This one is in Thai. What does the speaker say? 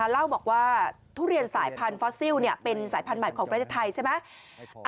เล่าบอกว่าทุเรียนสายพันธอสซิลเป็นสายพันธุ์ใหม่ของประเทศไทยใช่ไหม